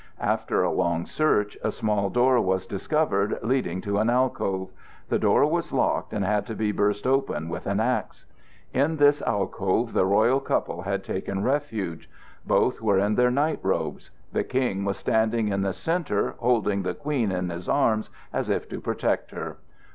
After a long search a small door was discovered leading to an alcove. The door was locked and had to be burst open with an axe. In this alcove the royal couple had taken refuge. Both were in their night robes. The King was standing in the centre, holding the Queen in his arms, as if to protect her.